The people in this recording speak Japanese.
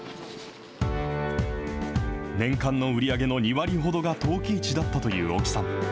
年間の売り上げの２割ほどが陶器市だったという沖さん。